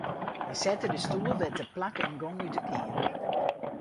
Hy sette de stoel wer teplak en gong út 'e keamer.